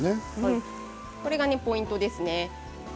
これがポイントですね。